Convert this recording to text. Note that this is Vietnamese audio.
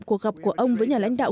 cuộc gặp của ông với nhà lãnh đạo